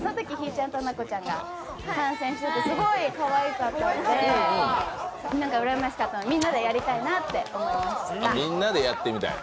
ちゃんと奈子ちゃんが参戦しててすごいかわいかったのでうらやましかったのでみんなでやりたいなって思いました。